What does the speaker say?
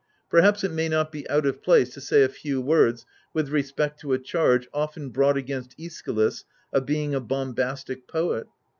Perhaps it may not be out of place to say a few words with respect to a charge, often brought against ^schylus, of being a bombastic poet.